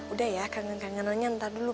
udah ya kangen kangen nanya ntar dulu